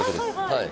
はい